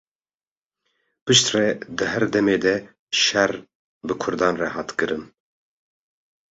Piştre, di her demê de şer bi kurdan rê hat kirin.